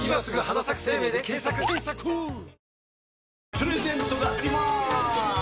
プレゼントがあります。